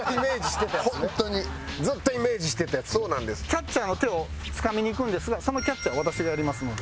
キャッチャーの手をつかみにいくんですがそのキャッチャー私がやりますので。